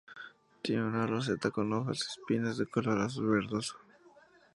Tiene una roseta con hojas con espinas, de color azul-verdoso.